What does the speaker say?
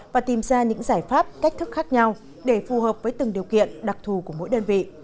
và tìm ra những giải pháp cách thức khác nhau để phù hợp với từng điều kiện đặc thù của mỗi đơn vị